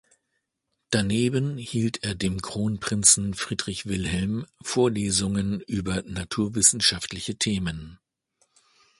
Daneben hielt er dem Kronprinzen Friedrich Wilhelm Vorlesungen über naturwissenschaftliche Themen.